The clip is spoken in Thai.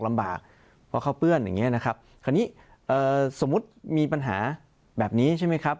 ลำบากเพราะเขาเปื้อนอย่างเงี้ยนะครับคราวนี้เอ่อสมมุติมีปัญหาแบบนี้ใช่ไหมครับ